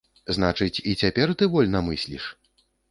Значыць, і цяпер ты вольна мысліш?